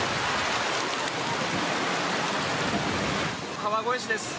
川越市です。